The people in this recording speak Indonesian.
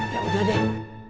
ya udah deh